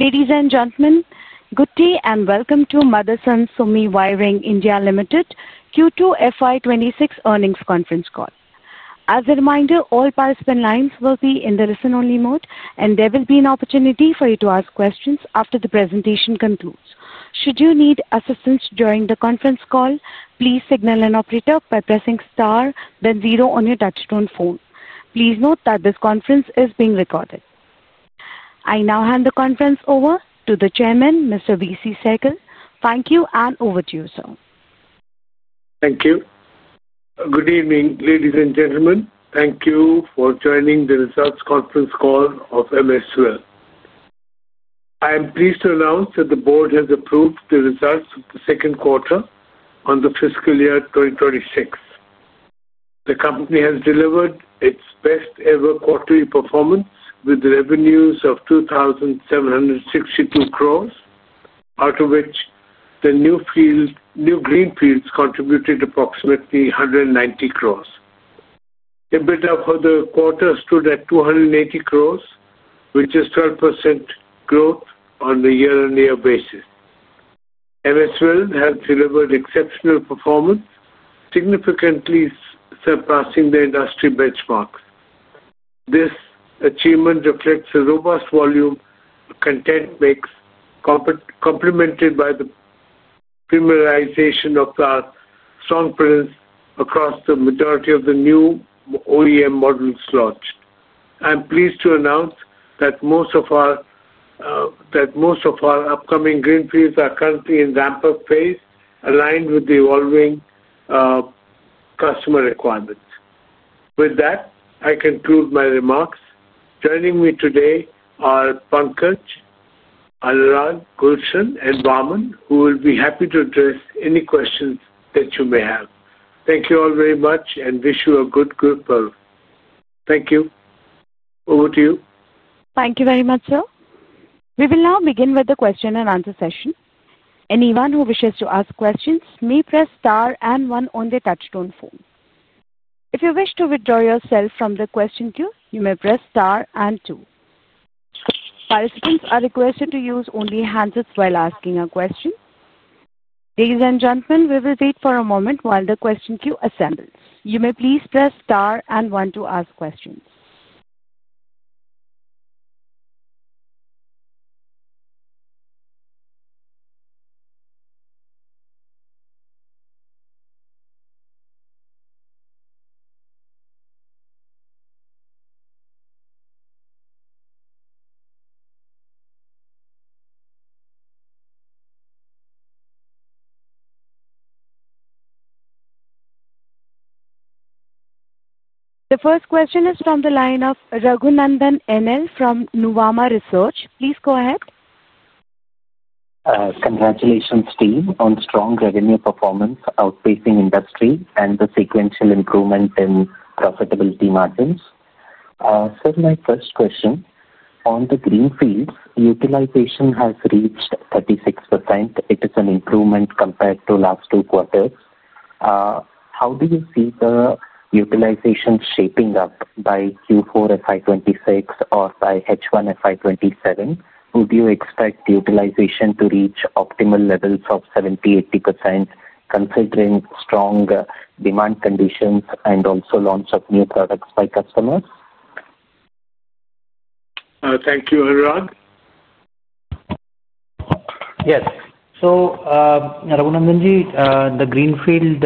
Ladies and gentlemen, good day and welcome to Motherson Sumi Wiring India Limited Q2FY2026 earnings conference call. As a reminder, all participant lines will be in the listen-only mode, and there will be an opportunity for you to ask questions after the presentation concludes. Should you need assistance during the conference call, please signal an operator by pressing star, then zero on your touch-tone phone. Please note that this conference is being recorded. I now hand the conference over to the Chairman, Mr. V. C. Sehgal. Thank you, and over to you, sir. Thank you. Good evening, ladies and gentlemen. Thank you for joining the results conference call of MSWEL. I am pleased to announce that the board has approved the results of the second quarter of the fiscal year 2026. The company has delivered its best-ever quarterly performance with revenues of 2,762 crore, out of which the new greenfields contributed approximately 190 crore. EBITDA for the quarter stood at 280 crore, which is 12% growth on a year-on-year basis. MSWEL has delivered exceptional performance, significantly surpassing the industry benchmarks. This achievement reflects a robust volume of content mix, complemented by the premiumization of our strong presence across the majority of the new OEM models launched. I'm pleased to announce that most of our upcoming greenfields are currently in the ramp-up phase, aligned with the evolving customer requirements. With that, I conclude my remarks. Joining me today are Pankaj. Allemann, Gulshan, and Vaaman, who will be happy to address any questions that you may have. Thank you all very much and wish you a good group of. Thank you. Over to you. Thank you very much, sir. We will now begin with the question-and-answer session. Anyone who wishes to ask questions may press star and one on the touch-tone phone. If you wish to withdraw yourself from the question queue, you may press star and two. Participants are requested to use only hands while asking a question. Ladies and gentlemen, we will wait for a moment while the question queue assembles. You may please press star and one to ask questions. The first question is from the line of Raghunandan N. L. from Nuvama Research. Please go ahead. Congratulations, team, on strong revenue performance outpacing industry and the sequential improvement in profitability margins. Sir, my first question. On the greenfields, utilization has reached 36%. It is an improvement compared to last two quarters. How do you see the utilization shaping up by Q4 FY 2026 or by H1FY 2027? Would you expect utilization to reach optimal levels of 70-80%, considering strong demand conditions and also launch of new products by customers? Thank you, Allermann. Yes. Raghunandan ji, the greenfield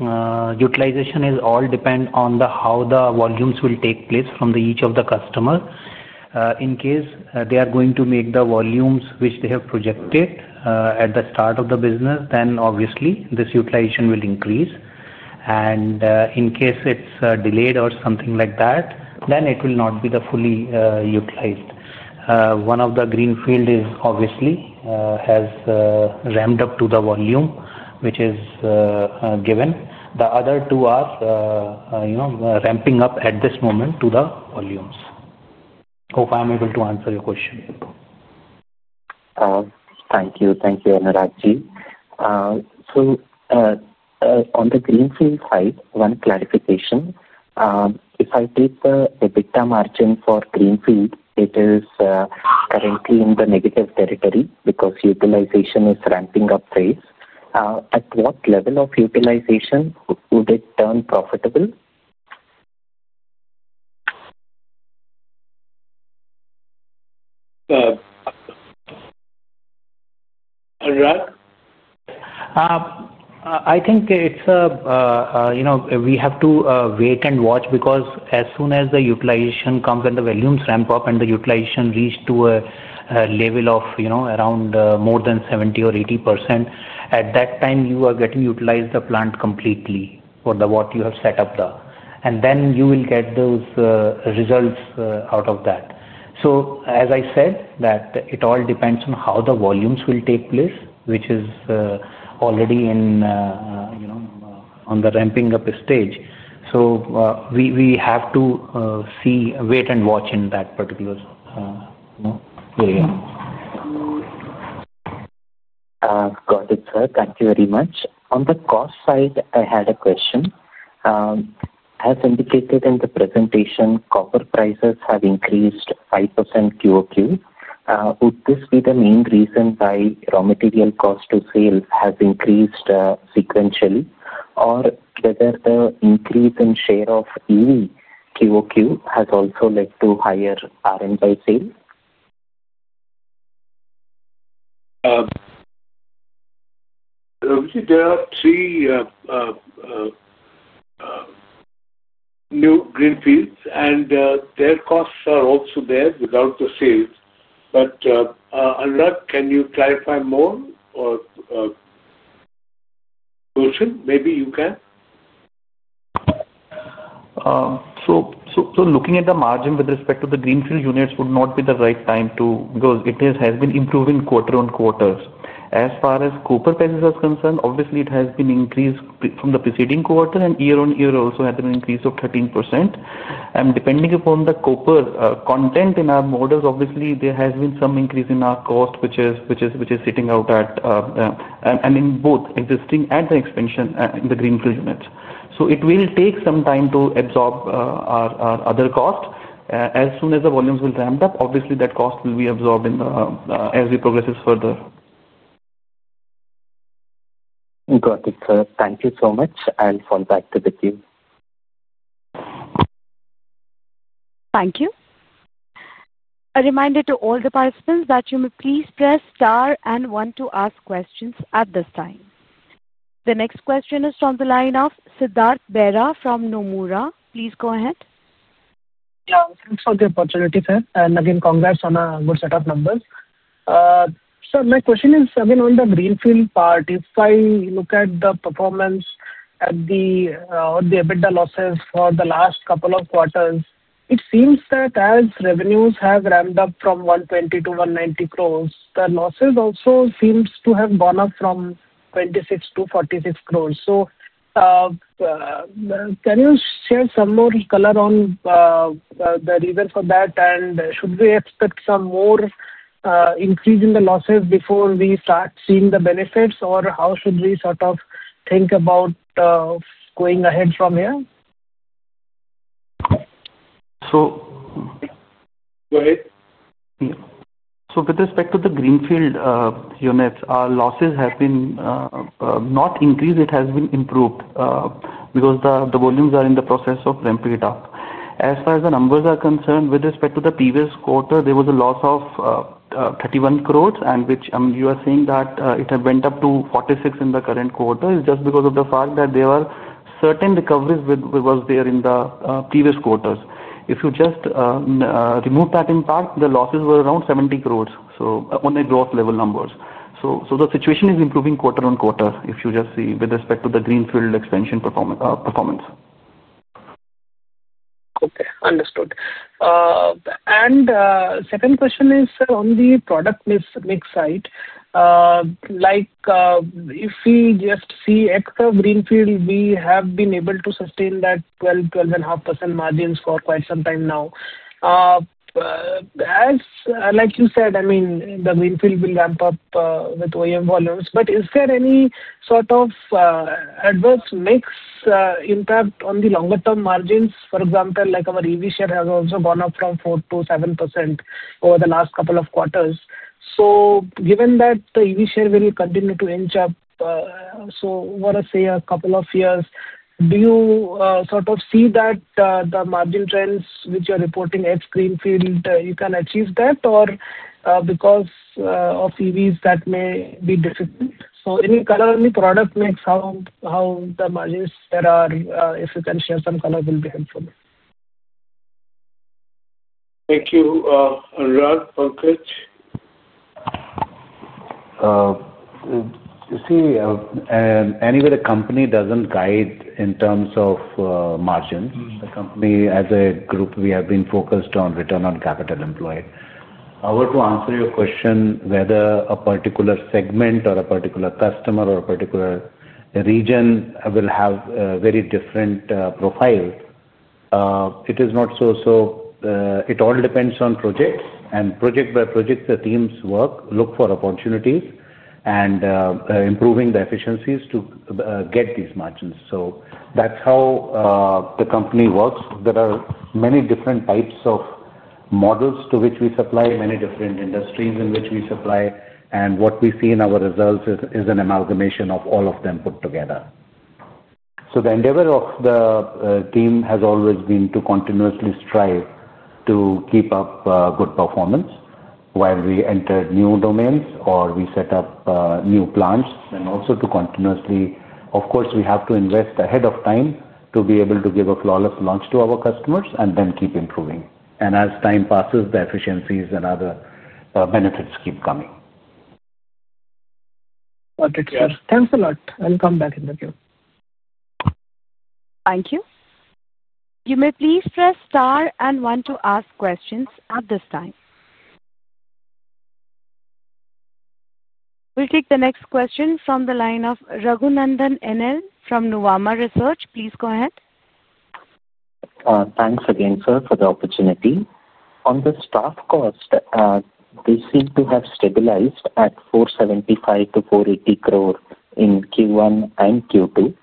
utilization is all dependent on how the volumes will take place from each of the customers. In case they are going to make the volumes which they have projected at the start of the business, then obviously this utilization will increase. In case it is delayed or something like that, then it will not be fully utilized. One of the greenfields obviously has ramped up to the volume, which is given. The other two are ramping up at this moment to the volumes. Hope I am able to answer your question. Thank you. Thank you, Raghunandan ji. On the greenfield side, one clarification. If I take the EBITDA margin for greenfield, it is currently in the negative territory because utilization is ramping up phase. At what level of utilization would it turn profitable? Allerag? I think it's a. We have to wait and watch because as soon as the utilization comes and the volumes ramp up and the utilization reaches to a level of around more than 70 or 80%, at that time you are getting utilized the plant completely for what you have set up there. Then you will get those results out of that. As I said, it all depends on how the volumes will take place, which is already in. On the ramping-up stage. We have to wait and watch in that particular area. Got it, sir. Thank you very much. On the cost side, I had a question. As indicated in the presentation, copper prices have increased 5% QOQ. Would this be the main reason why raw material cost to sale has increased sequentially, or whether the increase in share of EV QOQ has also led to higher R&D sales? We did not see. New greenfields, and their costs are also there without the sales. Anurag, can you clarify more? Gulshan, maybe you can. Looking at the margin with respect to the greenfield units, it would not be the right time to because it has been improving quarter on quarter. As far as copper prices are concerned, obviously it has been increased from the preceding quarter, and year-on-year also has an increase of 13%. Depending upon the copper content in our models, obviously there has been some increase in our cost, which is sitting out at. In both existing and the expansion in the greenfield units, it will take some time to absorb. Our other cost, as soon as the volumes will ramp up, obviously that cost will be absorbed as we progress further. Got it, sir. Thank you so much. I'll fall back to the queue. Thank you. A reminder to all the participants that you may please press star and one to ask questions at this time. The next question is from the line of Siddhartha Bera from Nomura. Please go ahead. Yeah, thanks for the opportunity, sir. Again, congrats on a good set of numbers. Sir, my question is, again, on the greenfield part. If I look at the performance at the EBITDA losses for the last couple of quarters, it seems that as revenues have ramped up from 120 crore to 190 crore, the losses also seem to have gone up from 26 crore to 46 crore. Can you share some more color on the reason for that, and should we expect some more increase in the losses before we start seeing the benefits, or how should we sort of think about going ahead from here? Go ahead. With respect to the greenfield units, our losses have not increased. It has been improved because the volumes are in the process of ramping up. As far as the numbers are concerned, with respect to the previous quarter, there was a loss of 31 crore, and which you are saying that it had went up to 46 crore in the current quarter is just because of the fact that there were certain recoveries that were there in the previous quarters. If you just remove that in part, the losses were around 70 crore, so on the gross level numbers. The situation is improving quarter on quarter, if you just see, with respect to the greenfield expansion performance. Okay. Understood. Second question is, sir, on the product mix side. If we just see at the greenfield, we have been able to sustain that 12-12.5% margins for quite some time now. Like you said, I mean, the greenfield will ramp up with OEM volumes. Is there any sort of adverse mix impact on the longer-term margins? For example, our EV share has also gone up from 4% to 7% over the last couple of quarters. Given that the EV share will continue to inch up over, say, a couple of years, do you sort of see that the margin trends which you are reporting at greenfield, you can achieve that, or because of EVs, that may be difficult? Any color on the product mix, how the margins there are, if you can share some color, will be helpful. Thank you, Allermann, Pankaj. You see. Anyway, the company does not guide in terms of margins. The company, as a group, we have been focused on return on capital employed. I want to answer your question whether a particular segment or a particular customer or a particular region will have a very different profile. It is not so, so it all depends on projects. Project by project, the teams work, look for opportunities, and improve the efficiencies to get these margins. That is how the company works. There are many different types of models to which we supply, many different industries in which we supply, and what we see in our results is an amalgamation of all of them put together. The endeavor of the team has always been to continuously strive to keep up good performance while we enter new domains or we set up new plants, and also to continuously, of course, we have to invest ahead of time to be able to give a flawless launch to our customers and then keep improving. As time passes, the efficiencies and other benefits keep coming. Got it, sir. Thanks a lot. I'll come back in the queue. Thank you. You may please press star and one to ask questions at this time. We'll take the next question from the line of Raghunandan N. L. from Nuvama Research. Please go ahead. Thanks again, sir, for the opportunity. On the staff cost. They seem to have stabilized at 475-480 crores in Q1 and Q2.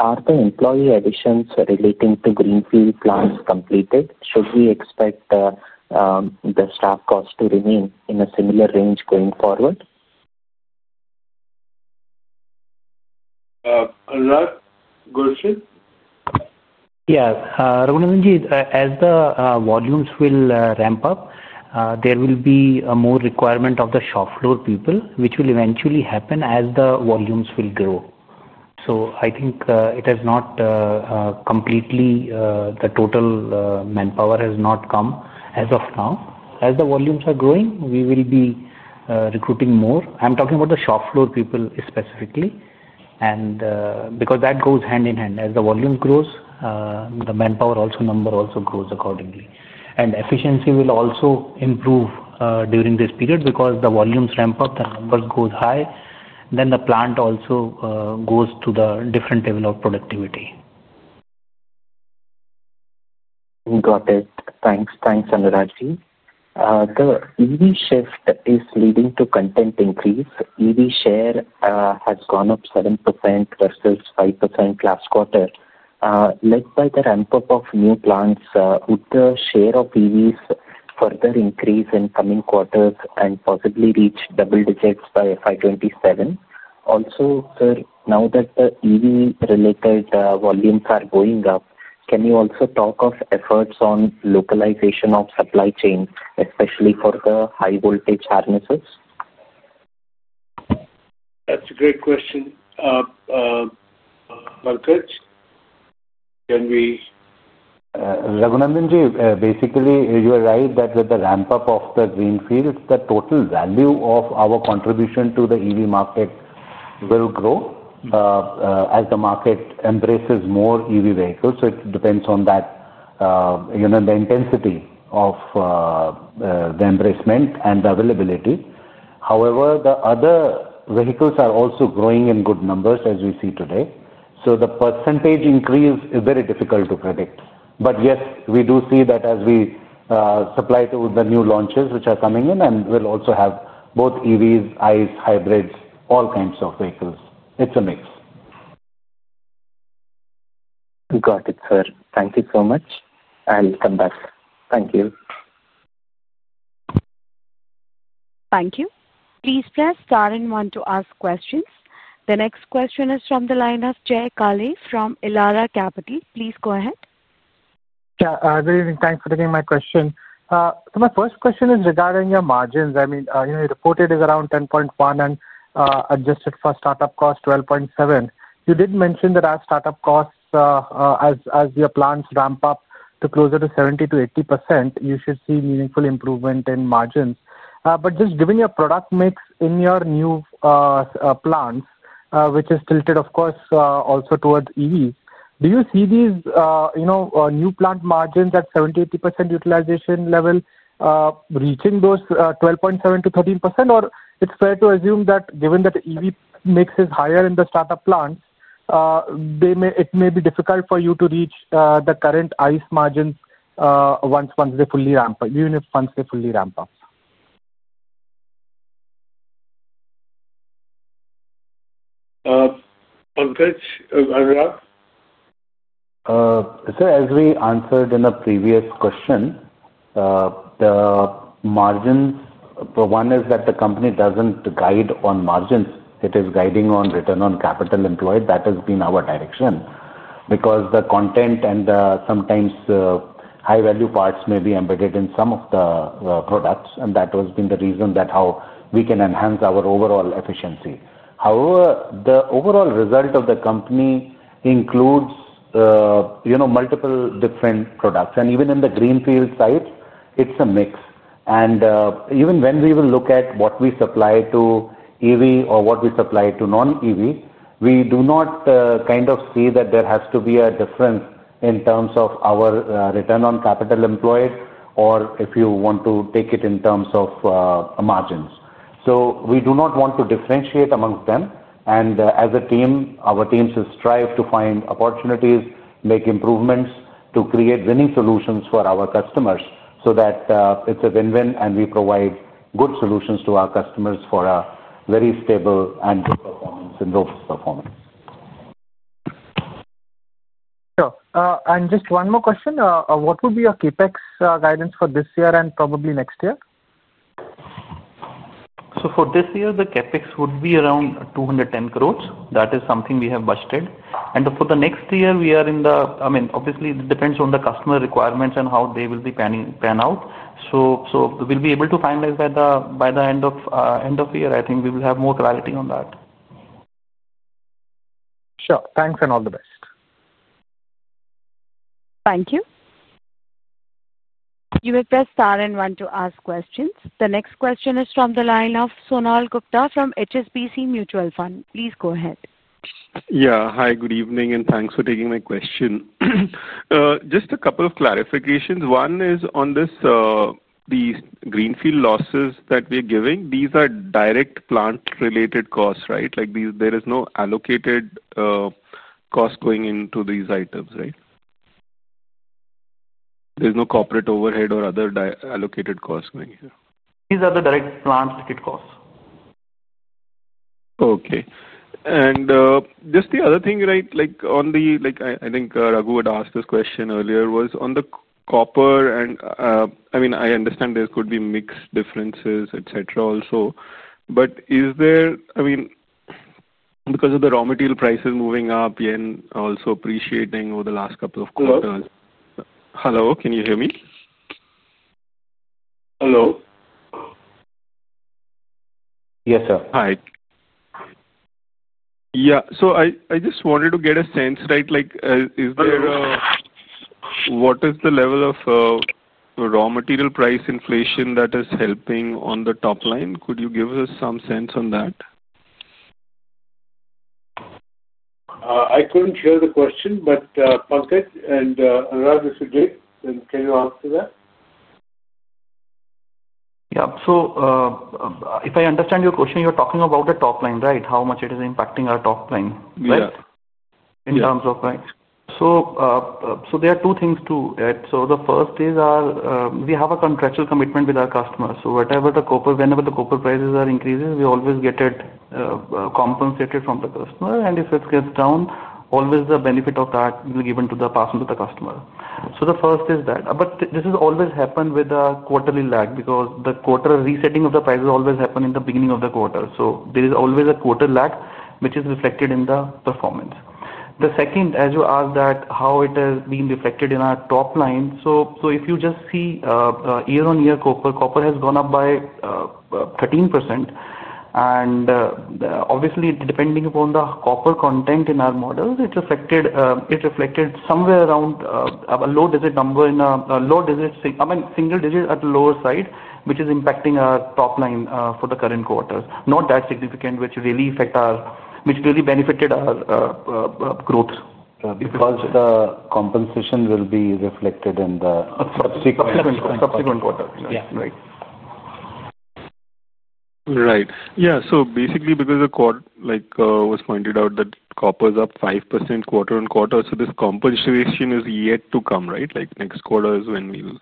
Are the employee additions relating to greenfield plants completed? Should we expect the staff cost to remain in a similar range going forward? Allerag, Gulshan? Yeah. Raghunandan ji, as the volumes will ramp up, there will be more requirement of the shop floor people, which will eventually happen as the volumes will grow. I think it has not completely, the total manpower has not come as of now. As the volumes are growing, we will be recruiting more. I'm talking about the shop floor people specifically. That goes hand in hand, as the volumes grow, the manpower number also grows accordingly. Efficiency will also improve during this period because the volumes ramp up, the numbers go high, then the plant also goes to the different level of productivity. Got it. Thanks, thanks, Raghunandan ji. The EV shift is leading to content increase. EV share has gone up 7% versus 5% last quarter. Led by the ramp-up of new plants, would the share of EVs further increase in coming quarters and possibly reach double digits by FY 2027? Also, sir, now that the EV-related volumes are going up, can you also talk of efforts on localization of supply chain, especially for the high-voltage harnesses? That's a great question. Pankaj? Can we? Raghunandan ji, basically, you are right that with the ramp-up of the greenfields, the total value of our contribution to the EV market will grow. As the market embraces more EV vehicles, it depends on that, the intensity of the embracement and the availability. However, the other vehicles are also growing in good numbers as we see today. The percentage increase is very difficult to predict. Yes, we do see that as we supply to the new launches which are coming in, and we'll also have both EVs, ICE, hybrids, all kinds of vehicles. It's a mix. Got it, sir. Thank you so much. And come back. Thank you. Thank you. Please press star and one to ask questions. The next question is from the line Jay Kale from Elara Capital. Please go ahead. Yeah. Thanks for taking my question. My first question is regarding your margins. I mean, you reported it is around 10.1% and adjusted for startup cost 12.7%. You did mention that as startup costs. As your plants ramp up to closer to 70-80%, you should see meaningful improvement in margins. Just given your product mix in your new plants, which is tilted, of course, also towards EVs, do you see these new plant margins at 70-80% utilization level reaching those 12.7-13%? Or is it fair to assume that given that EV mix is higher in the startup plants, it may be difficult for you to reach the current ICE margins once they fully ramp up, even if once they fully ramp up. Pankaj, Allerag? Sir, as we answered in the previous question. The margins, one is that the company does not guide on margins. It is guiding on return on capital employed. That has been our direction. Because the content and sometimes high-value parts may be embedded in some of the products, and that has been the reason that how we can enhance our overall efficiency. However, the overall result of the company includes multiple different products. And even in the greenfield sites, it is a mix. Even when we will look at what we supply to EV or what we supply to non-EV, we do not kind of see that there has to be a difference in terms of our return on capital employed or if you want to take it in terms of margins. We do not want to differentiate amongst them. As a team, our teams will strive to find opportunities, make improvements to create winning solutions for our customers so that it's a win-win and we provide good solutions to our customers for a very stable and good performance and robust performance. Sure. Just one more question. What would be your CAPEX guidance for this year and probably next year? For this year, the CAPEX would be around 210 crore. That is something we have budgeted. For the next year, we are in the, I mean, obviously, it depends on the customer requirements and how they will be panning out. We'll be able to finalize by the end of the year. I think we will have more clarity on that. Sure. Thanks and all the best. Thank you. You may press star and one to ask questions. The next question is from the line of Sonal Gupta from HSBC Mutual Fund. Please go ahead. Yeah. Hi, good evening and thanks for taking my question. Just a couple of clarifications. One is on these greenfield losses that we are giving, these are direct plant-related costs, right? There is no allocated cost going into these items, right? There's no corporate overhead or other allocated costs going here. These are the direct plant-related costs. Okay. Just the other thing, right, on the, I think Raghu had asked this question earlier, was on the copper and I mean, I understand there could be mix differences, etc., also. Is there, I mean, because of the raw material prices moving up, you're also appreciating over the last couple of quarters. Hello, can you hear me? Hello? Yes, sir. Hi. Yeah. I just wanted to get a sense, right, is there, what is the level of raw material price inflation that is helping on the top line? Could you give us some sense on that? I couldn't hear the question, but Pankaj and Allemann, if you did, then can you answer that? Yeah. If I understand your question, you're talking about the top line, right? How much it is impacting our top line, right? Yes. In terms of, right? There are two things to it. The first is we have a contractual commitment with our customers. Whenever the copper prices increase, we always get it compensated from the customer. If it gets down, always the benefit of that will be given to the customer. The first is that. This has always happened with a quarterly lag because the quarter resetting of the prices always happens in the beginning of the quarter. There is always a quarter lag, which is reflected in the performance. The second, as you asked, how it has been reflected in our top line. If you just see year-on-year, copper has gone up by 13%. Obviously, depending upon the copper content in our models, it reflected. Somewhere around a low digit number in a low digit, I mean, single digit at the lower side, which is impacting our top line for the current quarter. Not that significant, which really affected our, which really benefited our growth. Because the compensation will be reflected in the subsequent quarter. Subsequent quarter. Yeah. Right. Right. Yeah. So, basically, because the quarter was pointed out that copper is up 5% quarter-on-quarter, this compensation is yet to come, right? Next quarter is when we will.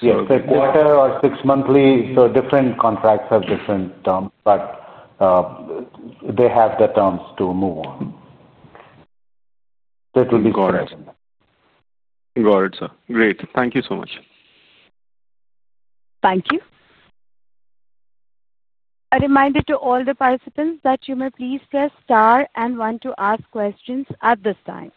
Yes. The quarter or six-monthly, so different contracts have different terms, but they have the terms to move on. That will be the quarter. Got it. Got it, sir. Great. Thank you so much. Thank you. A reminder to all the participants that you may please press star and one to ask questions at this time.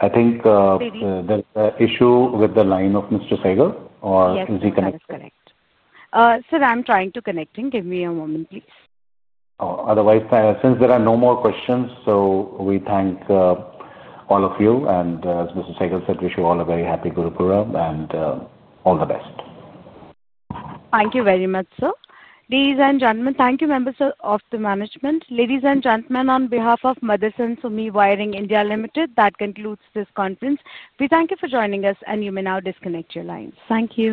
I think. There's an issue with the line of Mr. Sehgal, or is he connected? Yes, that is correct. Sir, I'm trying to connect him. Give me a moment, please. Oh, otherwise, since there are no more questions, we thank all of you. As Mr. Sehgal said, wish you all a very happy Gurpurab and all the best. Thank you very much, sir. Ladies and gentlemen, thank you, members of the management. Ladies and gentlemen, on behalf of Motherson Sumi Wiring India Limited, that concludes this conference. We thank you for joining us, and you may now disconnect your lines. Thank you.